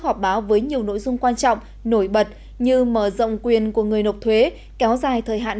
họp báo với nhiều nội dung quan trọng nổi bật như mở rộng quyền của người nộp thuế kéo dài thời hạn